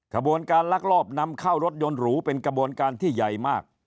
ขบวนการลักลอบนำเข้ารถยนต์หรูเป็นกระบวนการที่ใหญ่มาก